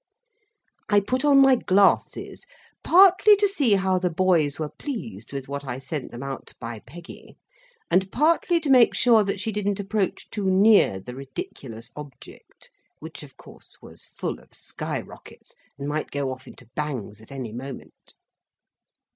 I put on my glasses, partly to see how the boys were pleased with what I sent them out by Peggy, and partly to make sure that she didn't approach too near the ridiculous object, which of course was full of sky rockets, and might go off into bangs at any moment.